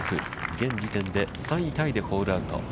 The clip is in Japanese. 現時点で３位タイでホールアウト。